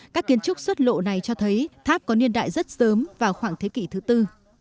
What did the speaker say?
các kiến trúc xuất lộ này cho thấy tháp có niên đại rất sớm vào khoảng thế kỷ thứ tư